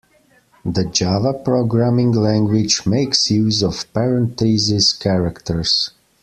The Java programming language makes use of parentheses characters.